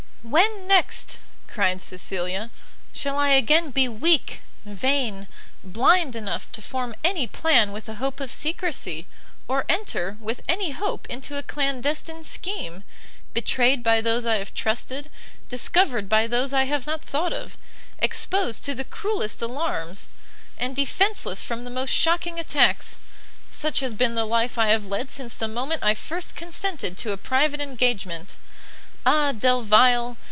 "When, next," cried Cecilia, "shall I again be weak, vain, blind enough to form any plan with a hope of secresy? or enter, with any hope, into a clandestine scheme! betrayed by those I have trusted, discovered by those I have not thought of, exposed to the cruellest alarms, and defenceless from the most shocking attacks! Such has been the life I have led since the moment I first consented to a private engagement! Ah Delvile!